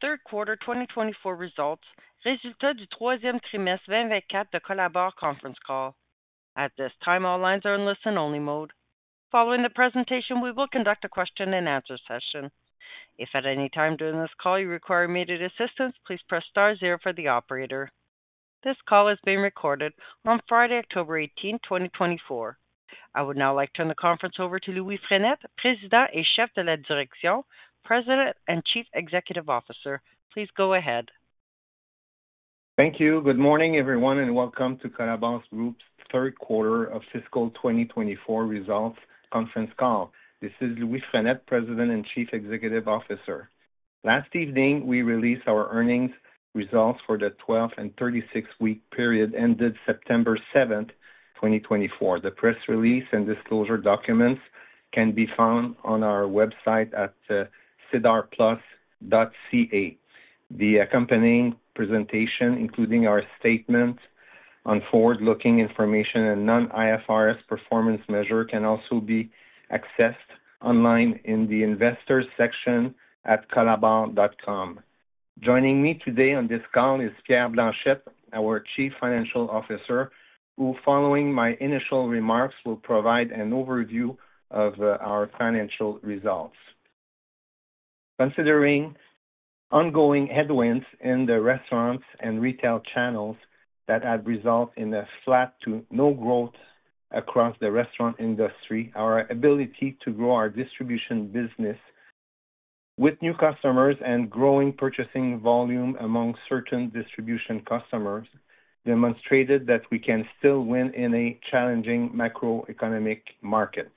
Third quarter twenty twenty-four results. Results du troisième trimestre vingt vingt-quatre de Colabor conference call. At this time, all lines are in listen-only mode. Following the presentation, we will conduct a question-and-answer session. If at any time during this call you require immediate assistance, please press star zero for the operator. This call is being recorded on Friday, October eighteenth, twenty twenty-four. I would now like to turn the conference over to Louis Frenette, President et chef de la direction, President and Chief Executive Officer. Please go ahead. Thank you. Good morning, everyone, and welcome to Colabor Group's third quarter of fiscal twenty twenty-four results conference call. This is Louis Frenette, President and Chief Executive Officer. Last evening, we released our earnings results for the twelve and thirty-sixth week period, ended September seventh, twenty twenty-four. The press release and disclosure documents can be found on our website at SE.ca. The accompanying presentation, including our statement on forward-looking information and non-IFRS performance measure, can also be accessed online in the investors section at colabor.com. Joining me today on this call is Pierre Blanchette, our Chief Financial Officer, who, following my initial remarks, will provide an overview of our financial results. Considering ongoing headwinds in the restaurants and retail channels that have resulted in a flat to no growth across the restaurant industry, our ability to grow our distribution business with new customers and growing purchasing volume among certain distribution customers demonstrated that we can still win in a challenging macroeconomic market.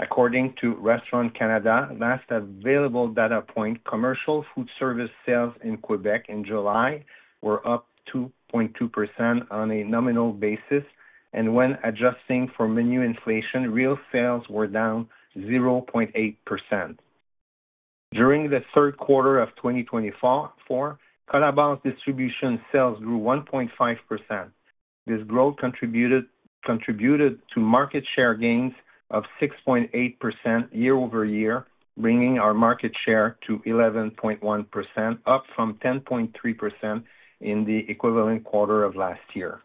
According to Restaurants Canada, last available data point, commercial food service sales in Quebec in July were up 2.2% on a nominal basis, and when adjusting for menu inflation, real sales were down 0.8%. During the third quarter of 2024, Colabor's distribution sales grew 1.5%. This growth contributed to market share gains of 6.8% year over year, bringing our market share to 11.1%, up from 10.3% in the equivalent quarter of last year.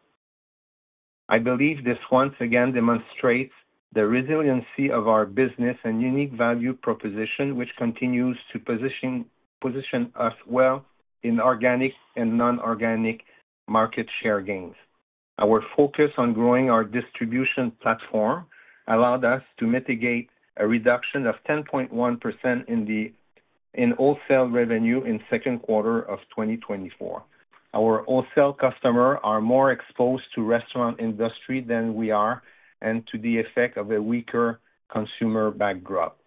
I believe this once again demonstrates the resiliency of our business and unique value proposition, which continues to position us well in organic and non-organic market share gains. Our focus on growing our distribution platform allowed us to mitigate a reduction of 10.1% in the wholesale revenue in second quarter of 2024. Our wholesale customer are more exposed to restaurant industry than we are and to the effect of a weaker consumer backdrop.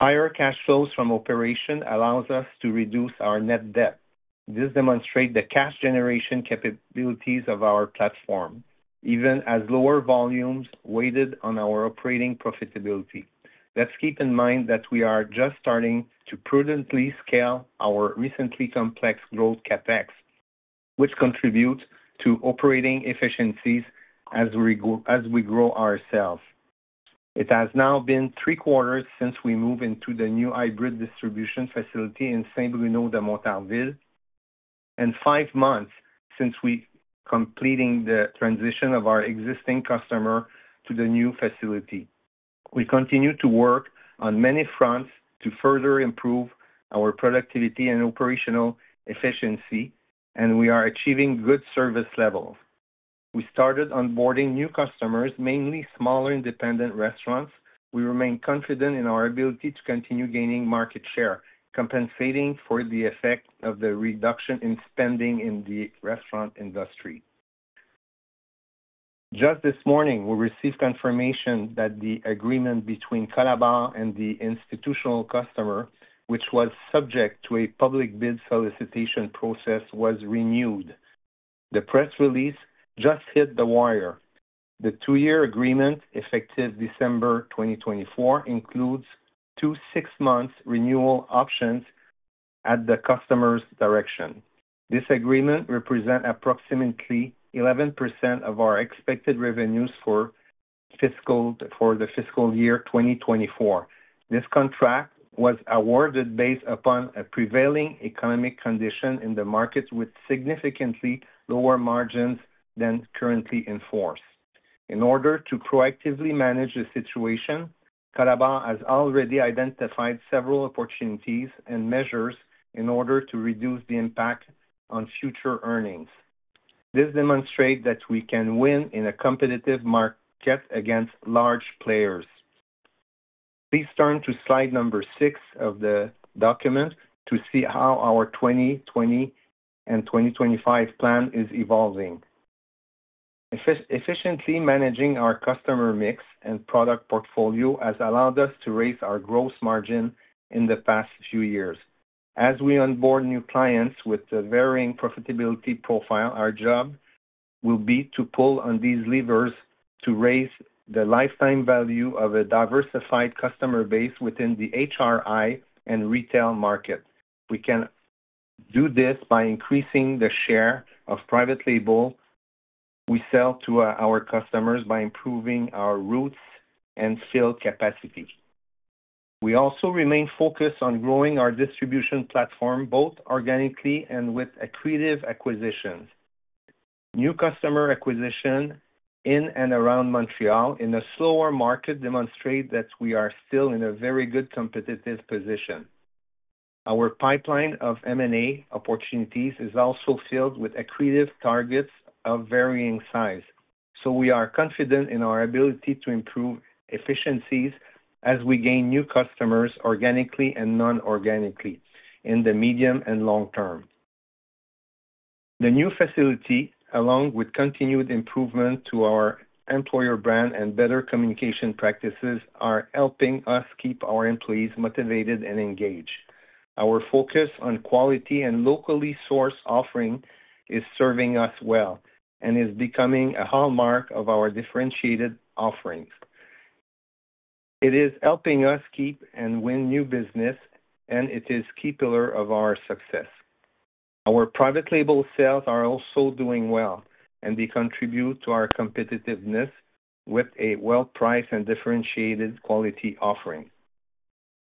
Higher cash flows from operation allows us to reduce our net debt. This demonstrate the cash generation capabilities of our platform, even as lower volumes weighed on our operating profitability. Let's keep in mind that we are just starting to prudently scale our recently completed growth CapEx, which contributes to operating efficiencies as we grow ourselves. It has now been three quarters since we moved into the new hybrid distribution facility in Saint-Bruno-de-Montarville, and five months since we completing the transition of our existing customer to the new facility. We continue to work on many fronts to further improve our productivity and operational efficiency, and we are achieving good service levels. We started onboarding new customers, mainly smaller, independent restaurants. We remain confident in our ability to continue gaining market share, compensating for the effect of the reduction in spending in the restaurant industry. Just this morning, we received confirmation that the agreement between Colabor and the institutional customer, which was subject to a public bid solicitation process, was renewed. The press release just hit the wire. The two-year agreement, effective December 2024, includes two six-month renewal options at the customer's direction. This agreement represent approximately 11% of our expected revenues for fiscal year 2024. This contract was awarded based upon a prevailing economic condition in the market, with significantly lower margins than currently in force. In order to proactively manage the situation, Colabor has already identified several opportunities and measures in order to reduce the impact on future earnings. This demonstrate that we can win in a competitive market against large players. Please turn to slide number 6 of the document to see how our 2020 and 2025 plan is evolving. Efficiently managing our customer mix and product portfolio has allowed us to raise our gross margin in the past few years. As we onboard new clients with a varying profitability profile, our job will be to pull on these levers to raise the lifetime value of a diversified customer base within the HRI and retail market. We can do this by increasing the share of private label we sell to our customers by improving our routes and field capacity. We also remain focused on growing our distribution platform, both organically and with accretive acquisitions. New customer acquisition in and around Montreal in a slower market demonstrate that we are still in a very good competitive position. Our pipeline of M&A opportunities is also filled with accretive targets of varying size, so we are confident in our ability to improve efficiencies as we gain new customers organically and non-organically in the medium and long term. The new facility, along with continued improvement to our employer brand and better communication practices, are helping us keep our employees motivated and engaged. Our focus on quality and locally sourced offering is serving us well and is becoming a hallmark of our differentiated offerings. It is helping us keep and win new business, and it is key pillar of our success. Our private label sales are also doing well, and they contribute to our competitiveness with a well-priced and differentiated quality offering.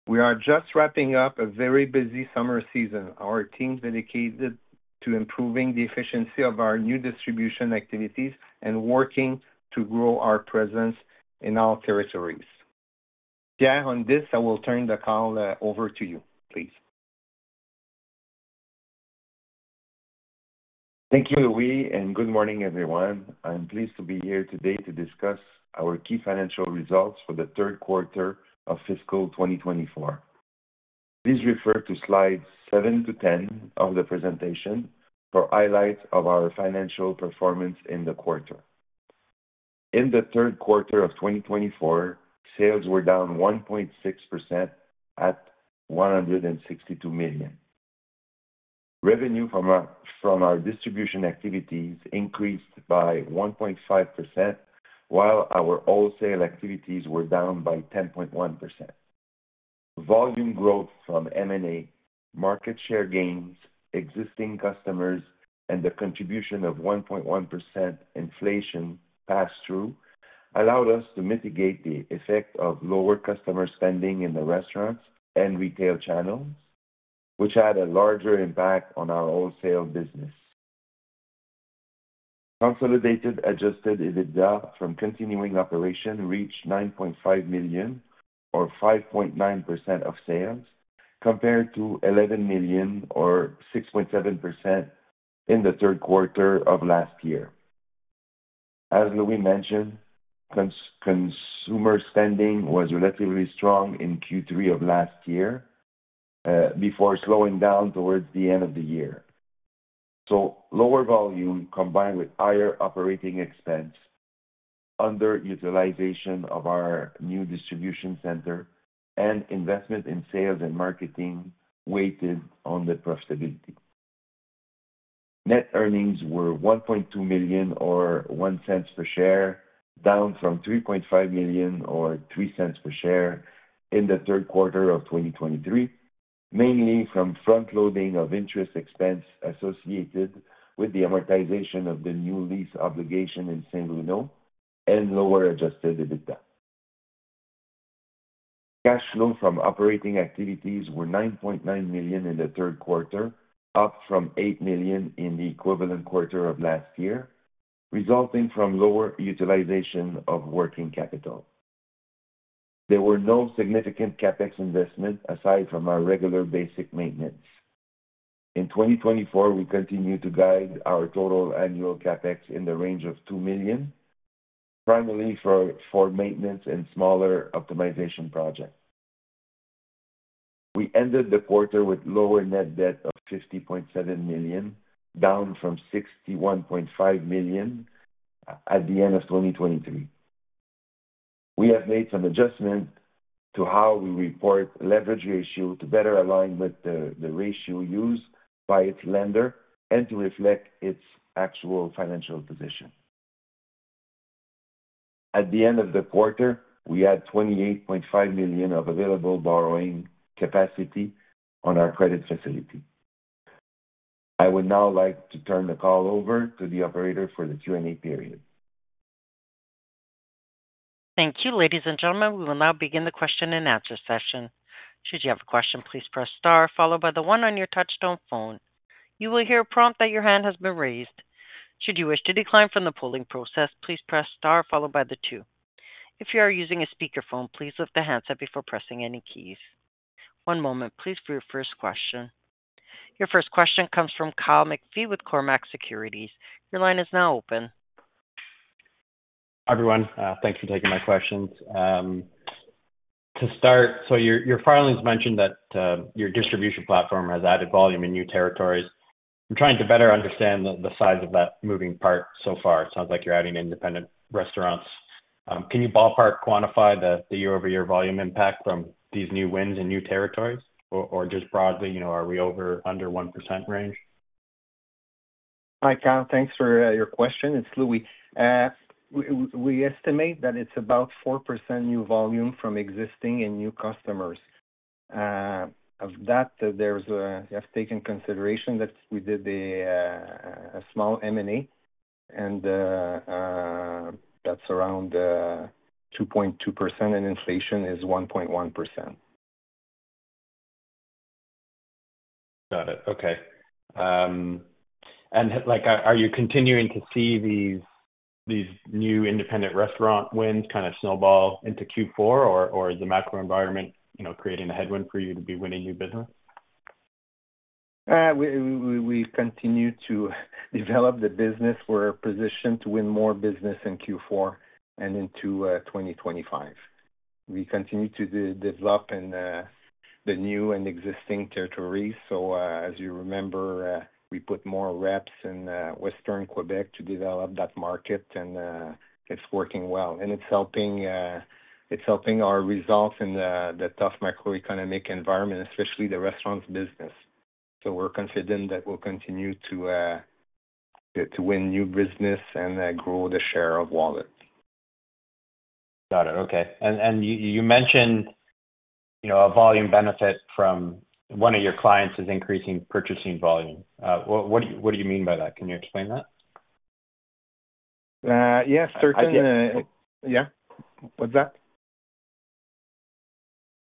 We are just wrapping up a very busy summer season. Our team is dedicated to improving the efficiency of our new distribution activities and working to grow our presence in all territories. Pierre, on this, I will turn the call over to you, please. Thank you, Louis, and good morning, everyone. I'm pleased to be here today to discuss our key financial results for the third quarter of fiscal 2024. Please refer to slides 7 to 10 of the presentation for highlights of our financial performance in the quarter. In the third quarter of 2024, sales were down 1.6% at 162 million. Revenue from our distribution activities increased by 1.5%, while our wholesale activities were down by 10.1%. Volume growth from M&A, market share gains, existing customers, and the contribution of 1.1% inflation pass-through allowed us to mitigate the effect of lower customer spending in the restaurants and retail channels, which had a larger impact on our wholesale business. Consolidated Adjusted EBITDA from continuing operations reached 9.5 million, or 5.9% of sales, compared to 11 million or 6.7% in the third quarter of last year. As Louis mentioned, consumer spending was relatively strong in Q3 of last year before slowing down towards the end of the year. So lower volume, combined with higher operating expense, underutilization of our new distribution center, and investment in sales and marketing, weighed on the profitability. Net earnings were 1.2 million or 0.01 per share, down from 3.5 million or 0.03 per share in the third quarter of 2023, mainly from front-loading of interest expense associated with the amortization of the new lease obligation in Saint-Bruno and lower Adjusted EBITDA. Cash flow from operating activities were 9.9 million in the third quarter, up from 8 million in the equivalent quarter of last year, resulting from lower utilization of working capital. There were no significant CapEx investments aside from our regular basic maintenance. In 2024, we continue to guide our total annual CapEx in the range of 2 million, primarily for maintenance and smaller optimization projects. We ended the quarter with lower net debt of 50.7 million, down from 61.5 million at the end of 2023. We have made some adjustments to how we report leverage ratio to better align with the ratio used by its lender and to reflect its actual financial position. At the end of the quarter, we had 28.5 million of available borrowing capacity on our credit facility. I would now like to turn the call over to the operator for the Q&A period. Thank you, ladies and gentlemen. We will now begin the question-and-answer session. Should you have a question, please press star followed by the one on your touchtone phone. You will hear a prompt that your hand has been raised. Should you wish to decline from the polling process, please press star followed by the two. If you are using a speakerphone, please lift the handset before pressing any keys. One moment, please, for your first question. Your first question comes from Kyle McPhee with Cormark Securities. Your line is now open. Hi, everyone. Thanks for taking my questions. To start, so your filings mentioned that your distribution platform has added volume in new territories. I'm trying to better understand the size of that moving part so far. It sounds like you're adding independent restaurants. Can you ballpark quantify the year-over-year volume impact from these new wins in new territories? Or just broadly, you know, are we over, under 1% range? Hi, Kyle. Thanks for your question. It's Louis. We estimate that it's about 4% new volume from existing and new customers. Of that, you have to take into consideration that we did a small M&A, and that's around 2.2%, and inflation is 1.1%. Got it. Okay. And like, are you continuing to see these new independent restaurant wins kind of snowball into Q4, or is the macro environment, you know, creating a headwind for you to be winning new business? We continue to develop the business. We're positioned to win more business in Q4 and into twenty twenty-five. We continue to develop in the new and existing territories. So, as you remember, we put more reps in Western Quebec to develop that market, and it's working well. And it's helping our results in the tough macroeconomic environment, especially the restaurants business. So we're confident that we'll continue to win new business and grow the share of wallet. Got it. Okay. And you mentioned, you know, a volume benefit from one of your clients is increasing purchasing volume. What do you mean by that? Can you explain that? Yes, certain. I can- Yeah. What's that?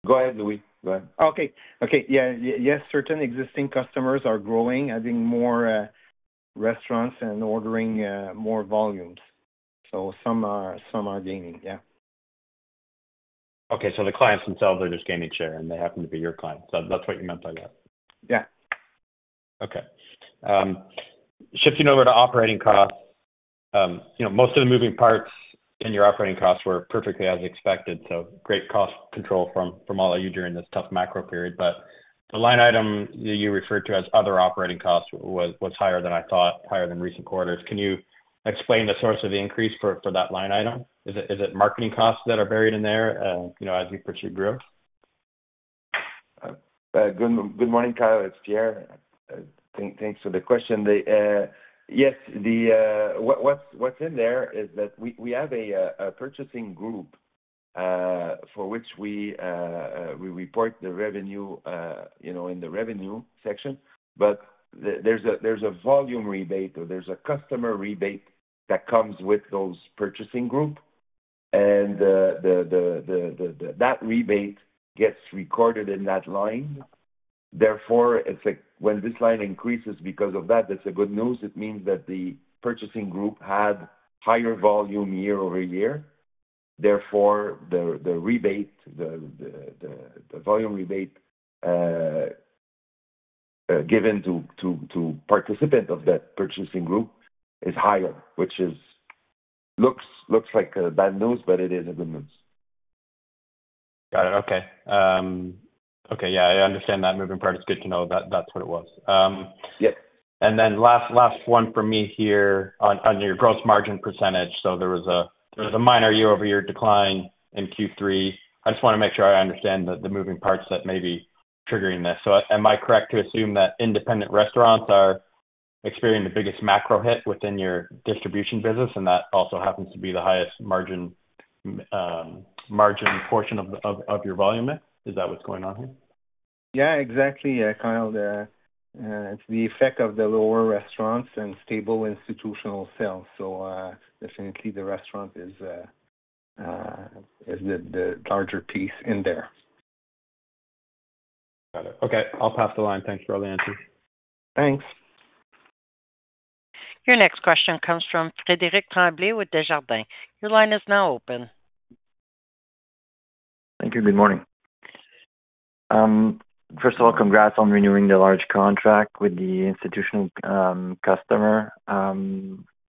Go ahead, Louis. Go ahead. Okay. Okay, yeah, yes, certain existing customers are growing, adding more restaurants and ordering more volumes. So some are, some are gaining. Yeah. Okay, so the clients themselves are just gaining share, and they happen to be your clients. So that's what you meant by that? Yeah. Okay. Shifting over to operating costs, you know, most of the moving parts in your operating costs were perfectly as expected, so great cost control from all of you during this tough macro period. But the line item that you referred to as other operating costs was higher than I thought, higher than recent quarters. Can you explain the source of the increase for that line item? Is it marketing costs that are buried in there, you know, as you pursue growth? Good morning, Kyle, it's Pierre. Thanks for the question. Yes, what's in there is that we have a purchasing group for which we report the revenue, you know, in the revenue section, but there's a volume rebate or there's a customer rebate that comes with those purchasing group, and that rebate gets recorded in that line. Therefore, it's like when this line increases because of that, that's a good news. It means that the purchasing group had higher volume year over year. Therefore, the rebate, the volume rebate given to participant of that purchasing group is higher, which looks like bad news, but it is a good news. Got it. Okay. Okay, yeah, I understand that moving part. It's good to know that that's what it was. Yep. And then last one for me here. On your gross margin percentage, so there was a minor year-over-year decline in Q3. I just wanna make sure I understand the moving parts that may be triggering this. So am I correct to assume that independent restaurants are experiencing the biggest macro hit within your distribution business, and that also happens to be the highest margin portion of your volume mix? Is that what's going on here? Yeah, exactly, Kyle. It's the effect of the lower restaurants and stable institutional sales. So, definitely the restaurant is the larger piece in there. Got it. Okay, I'll pass the line. Thank you for the answers. Thanks. Your next question comes from Frédéric Tremblay with Desjardins. Your line is now open. Thank you. Good morning. First of all, congrats on renewing the large contract with the institutional customer.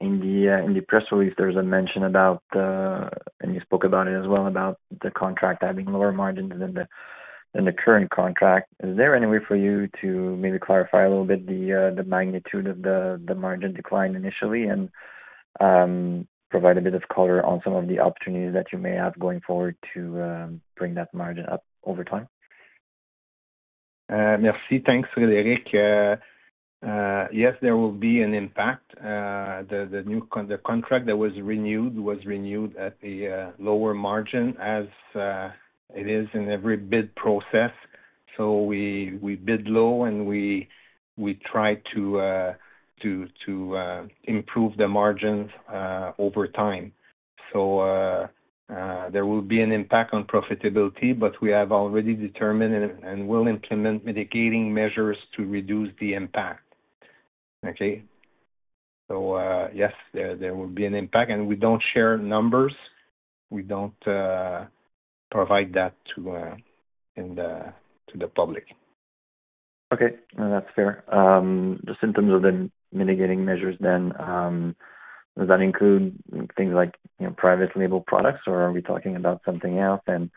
In the press release, there's a mention about, and you spoke about it as well, about the contract having lower margins than the current contract. Is there any way for you to maybe clarify a little bit the magnitude of the margin decline initially, and provide a bit of color on some of the opportunities that you may have going forward to bring that margin up over time? Merci. Thanks, Frédéric. Yes, there will be an impact. The new contract that was renewed was renewed at a lower margin, as it is in every bid process. We bid low, and we try to improve the margins over time. There will be an impact on profitability, but we have already determined and will implement mitigating measures to reduce the impact. Okay? Yes, there will be an impact, and we don't share numbers. We don't provide that to the public. Okay, that's fair. Just in terms of the mitigating measures then, does that include things like, you know, private label products, or are we talking about something else? And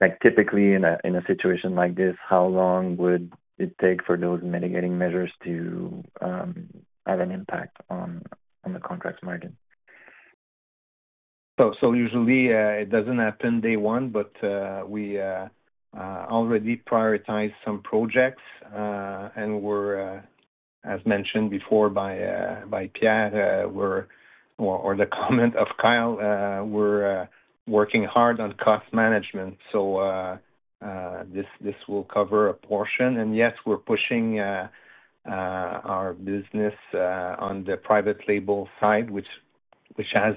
like, typically, in a situation like this, how long would it take for those mitigating measures to have an impact on the contract margin? Usually, it doesn't happen day one, but we already prioritize some projects. As mentioned before by Pierre or the comment of Kyle, we're working hard on cost management, so this will cover a portion. Yes, we're pushing our business on the private label side, which has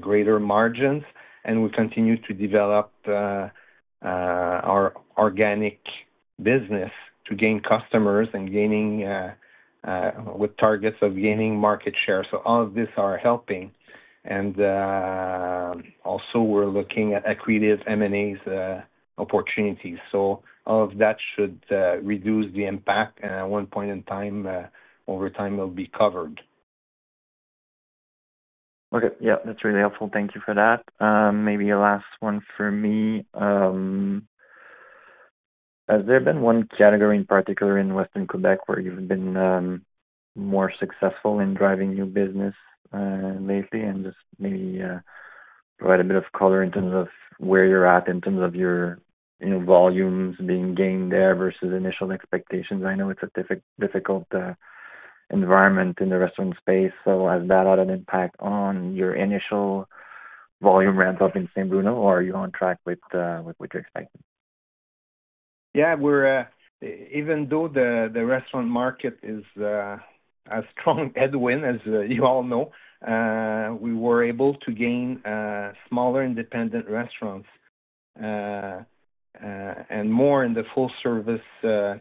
greater margins. We continue to develop our organic business to gain customers and gaining with targets of gaining market share so all of these are helping. Also, we're looking at accretive M&As opportunities so all of that should reduce the impact, and at one point in time over time will be covered. Okay. Yeah, that's really helpful. Thank you for that. Maybe a last one for me. Has there been one category in particular in Western Quebec, where you've been more successful in driving new business lately? And just maybe provide a bit of color in terms of where you're at, in terms of your, you know, volumes being gained there versus initial expectations. I know it's a difficult environment in the restaurant space, so has that had an impact on your initial volume ramp-up in Saint-Bruno, or are you on track with what you're expecting? Yeah, we're even though the restaurant market is a strong headwind, as you all know, we were able to gain smaller independent restaurants, and more in the full-service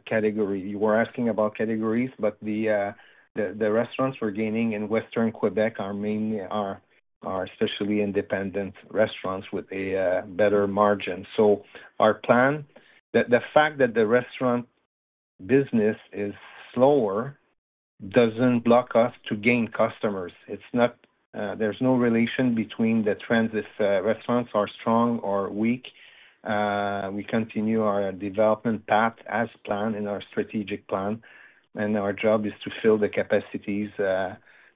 category. You were asking about categories, but the restaurants we're gaining in Western Quebec are mainly especially independent restaurants with a better margin. So our plan... The fact that the restaurant business is slower doesn't block us to gain customers. It's not, there's no relation between the trends, if restaurants are strong or weak. We continue our development path as planned in our strategic plan, and our job is to fill the capacities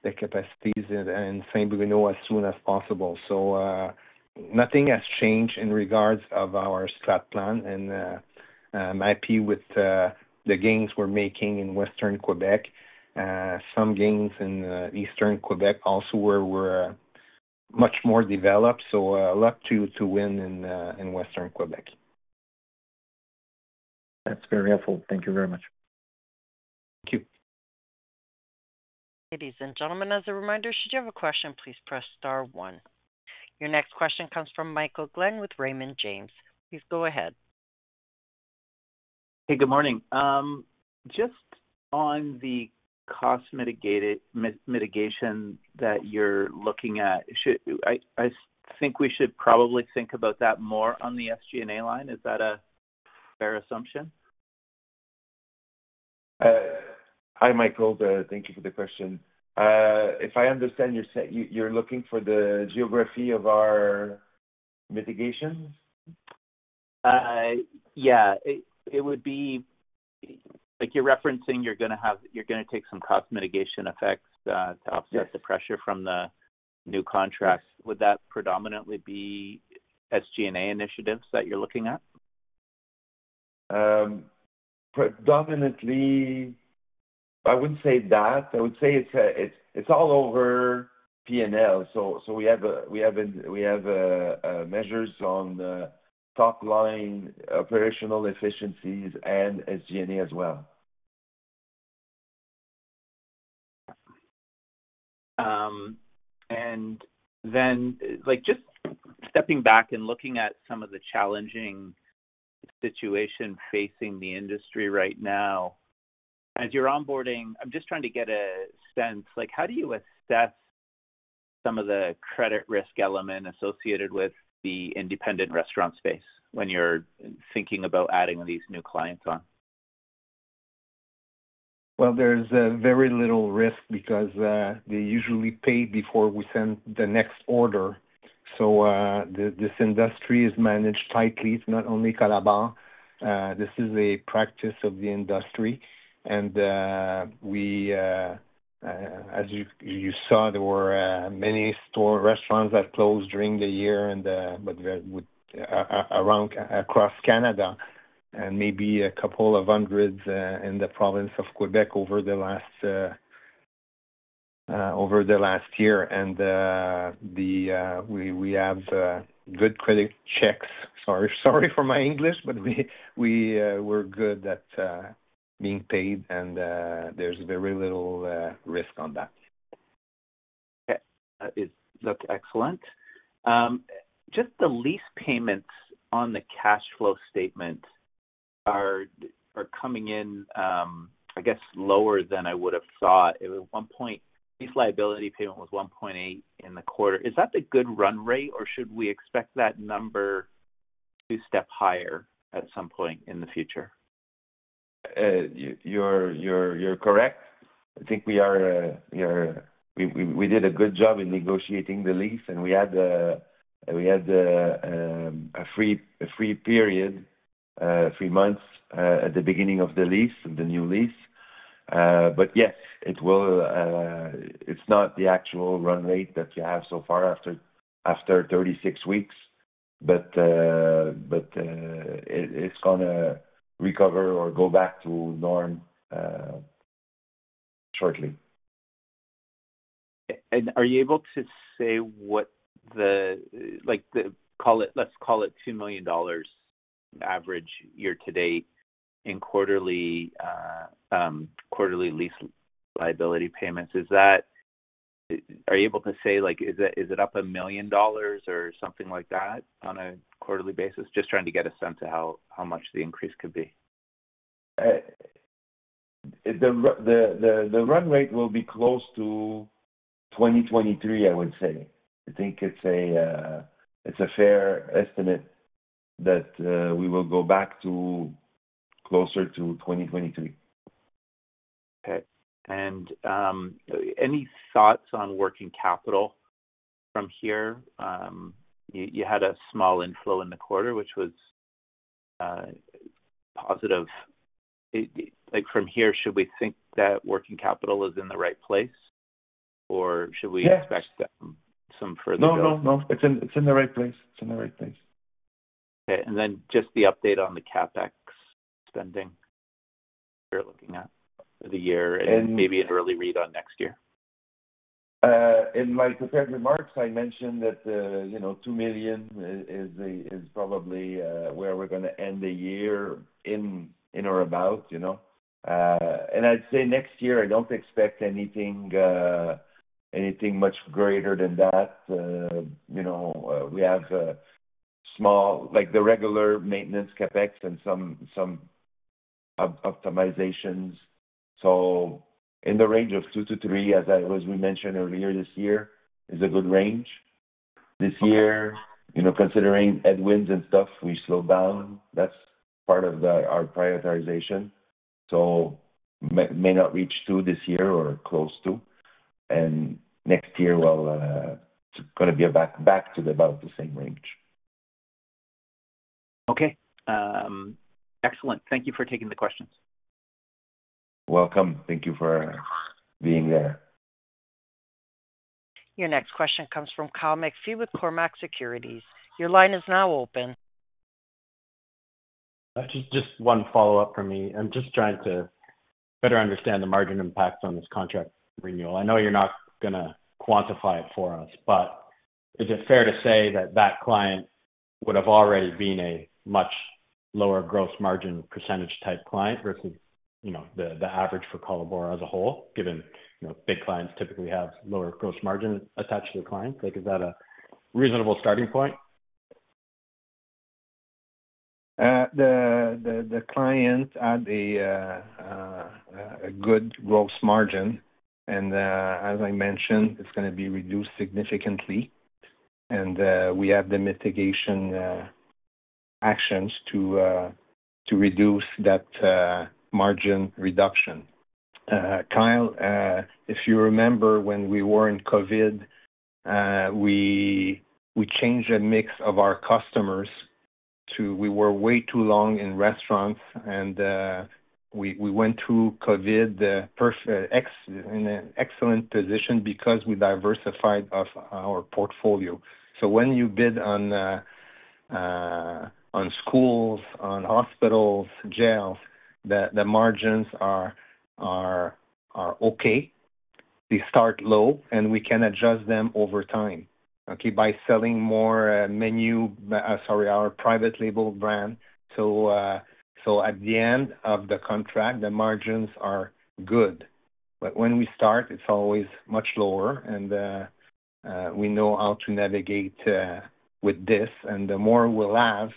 in Saint-Bruno as soon as possible. Nothing has changed in regards of our strat plan, and I'm happy with the gains we're making in Western Quebec. Some gains in Eastern Quebec also, where we're much more developed, so a lot to win in Western Quebec. That's very helpful. Thank you very much. Thank you. Ladies and gentlemen, as a reminder, should you have a question, please press star one. Your next question comes from Michael Glen with Raymond James. Please go ahead. Hey, good morning. Just on the cost mitigation that you're looking at, should I think we should probably think about that more on the SG&A line. Is that a fair assumption? Hi, Michael. Thank you for the question. If I understand, you're looking for the geography of our mitigation? Yeah. It would be, like, you're referencing you're gonna take some cost mitigation effects. Yes... to offset the pressure from the new contracts. Would that predominantly be SG&A initiatives that you're looking at? Predominantly, I wouldn't say that. I would say it's all over P&L. So we have measures on the top-line operational efficiencies and SG&A as well. And then, like, just stepping back and looking at some of the challenging situation facing the industry right now, as you're onboarding, I'm just trying to get a sense, like, how do you assess some of the credit risk element associated with the independent restaurant space when you're thinking about adding these new clients on? There's very little risk because they usually pay before we send the next order. So this industry is managed tightly. It's not only Colabor. This is a practice of the industry, and as you saw, there were many standalone restaurants that closed during the year, but around across Canada, and maybe a couple of hundreds in the province of Quebec over the last year. We have good credit checks. Sorry for my English, but we're good at being paid, and there's very little risk on that. Okay. It looks excellent. Just the lease payments on the cash flow statement are coming in, I guess, lower than I would have thought. At one point, lease liability payment was 1.8 in the quarter. Is that the good run rate, or should we expect that number to step higher at some point in the future? You're correct. I think we did a good job in negotiating the lease, and we had a free period, three months at the beginning of the lease, the new lease. But yes, it will. It's not the actual run rate that you have so far after 36 weeks. But it's gonna recover or go back to norm shortly. And are you able to say what the, like, the call it, let's call it 2 million dollars average year to date in quarterly lease liability payments. Are you able to say, like, is it, is it up 1 million dollars or something like that on a quarterly basis? Just trying to get a sense of how much the increase could be. The run rate will be close to 2023, I would say. I think it's a fair estimate that we will go back to closer to 2023. Okay. And, any thoughts on working capital from here? You had a small inflow in the quarter, which was, positive. Like, from here, should we think that working capital is in the right place, or should we- Yes. expect some further growth? No, no, no. It's in, it's in the right place. It's in the right place. Okay, and then just the update on the CapEx spending you're looking at for the year? And- -and maybe an early read on next year. In my prepared remarks, I mentioned that, you know, 2 million is probably where we're gonna end the year, in or about, you know. And I'd say next year, I don't expect anything much greater than that. You know, we have small, like, the regular maintenance CapEx and some optimizations. So in the range of 2 million-3 million, as we mentioned earlier, this year is a good range. This year, you know, considering headwinds and stuff, we slowed down. That's part of our prioritization, so may not reach 2 million this year or close to. And next year, well, it's gonna be back to about the same range. Okay, excellent. Thank you for taking the questions. Welcome. Thank you for being there. Your next question comes from Kyle McPhee with Cormark Securities. Your line is now open. Just one follow-up from me. I'm just trying to better understand the margin impacts on this contract renewal. I know you're not gonna quantify it for us, but is it fair to say that that client would have already been a much lower gross margin percentage type client versus, you know, the average for Colabor as a whole? Given, you know, big clients typically have lower gross margin attached to the client. Like, is that a reasonable starting point? The clients had a good gross margin, and, as I mentioned, it's gonna be reduced significantly. We have the mitigation actions to reduce that margin reduction. Kyle, if you remember when we were in COVID, we changed the mix of our customers to... We were way too long in restaurants, and we went through COVID perfect in an excellent position because we diversified our portfolio. So when you bid on schools, on hospitals, jails, the margins are okay. They start low, and we can adjust them over time, okay, by selling more, sorry, our private label brand. So at the end of the contract, the margins are good. But when we start, it's always much lower, and we know how to navigate with this. And the more we'll have,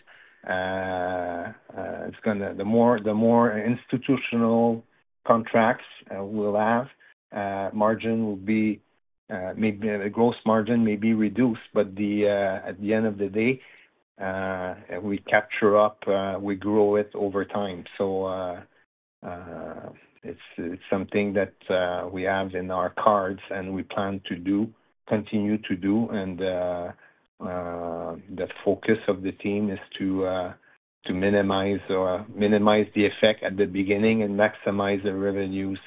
the more institutional contracts we'll have, margin will be maybe the gross margin may be reduced, but the at the end of the day, we capture up, we grow it over time. So, it's something that we have in our cards, and we plan to do, continue to do, and the focus of the team is to minimize the effect at the beginning and maximize the revenues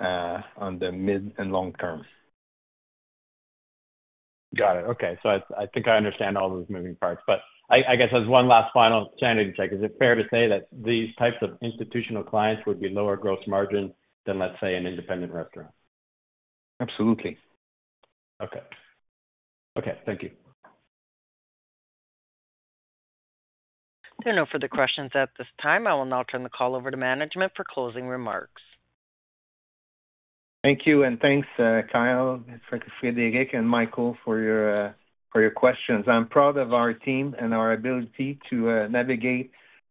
on the mid and long term. Got it. Okay. So I think I understand all those moving parts, but I guess as one last final sanity check, is it fair to say that these types of institutional clients would be lower gross margin than, let's say, an independent restaurant? Absolutely. Okay. Okay, thank you. There are no further questions at this time. I will now turn the call over to management for closing remarks. Thank you, and thanks, Kyle, Frédéric, and Michael, for your, for your questions. I'm proud of our team and our ability to navigate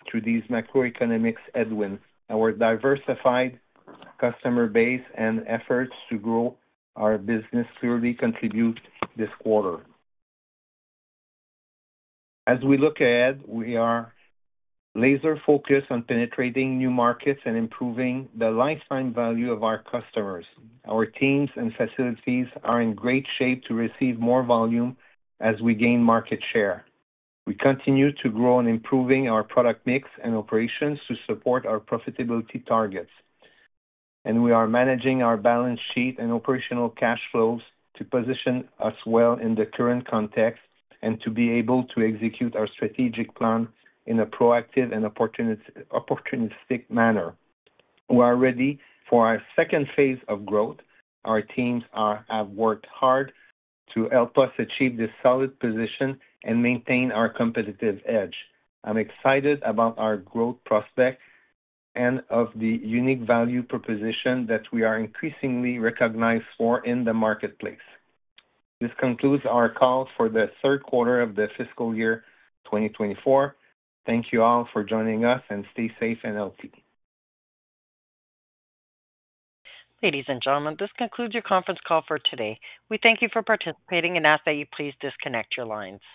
through these macroeconomic headwinds. Our diversified customer base and efforts to grow our business clearly contribute this quarter. As we look ahead, we are laser focused on penetrating new markets and improving the lifetime value of our customers. Our teams and facilities are in great shape to receive more volume as we gain market share. We continue to grow and improving our product mix and operations to support our profitability targets, and we are managing our balance sheet and operational cash flows to position us well in the current context, and to be able to execute our strategic plan in a proactive and opportunistic manner. We are ready for our second phase of growth. Our teams have worked hard to help us achieve this solid position and maintain our competitive edge. I'm excited about our growth prospects and of the unique value proposition that we are increasingly recognized for in the marketplace. This concludes our call for the third quarter of the fiscal year twenty twenty-four. Thank you all for joining us, and stay safe and healthy. Ladies and gentlemen, this concludes your conference call for today. We thank you for participating and ask that you please disconnect your lines.